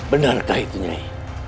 benarkah itu nyai